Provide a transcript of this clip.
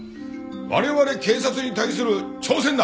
我々警察に対する挑戦だ！